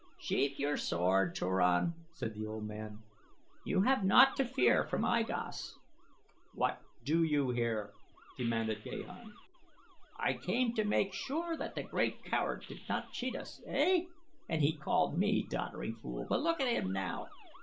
"Sheathe your sword, Turan," said the old man. "You have naught to fear from I Gos." "What do you here?" demanded Gahan. "I came to make sure that the great coward did not cheat us. Ey, and he called me 'doddering fool;' but look at him now!